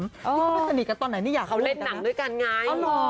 ก็ไม่สนิทกันตอนไหนนี่อยากเขาเล่นหนังด้วยกันไง